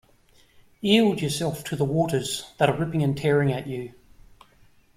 Yield yourself to the waters that are ripping and tearing at you.